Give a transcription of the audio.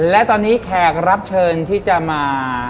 และตอนนี้แขกรับเชิญที่จะมา